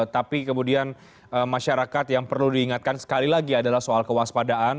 tapi kemudian masyarakat yang perlu diingatkan sekali lagi adalah soal kewaspadaan